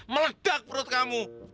meledak perut kamu